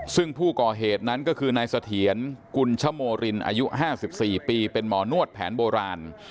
ซึ่งผู้ก่อเหตุนั้นก็คือนายเสถียรกุญชโมรินอายุ๕๔ปีเป็นหมอนวดแผนโบราณ